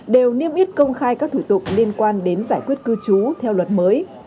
đều niêm yết công khai các thủ tục liên quan đến giải quyết cư trú theo luật mới